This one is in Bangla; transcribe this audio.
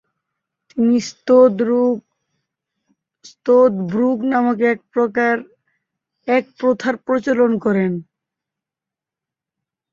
তিনি স্তোদ-'ব্রুগ নামক এক প্রথার প্রচলন করেন।